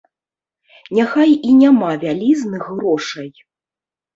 Няхай і няма вялізных грошай.